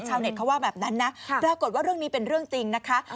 ชาวเน็ตเขาว่าแบบนั้นนะปรากฏว่าเรื่องนี้เป็นเรื่องจริงนะคะ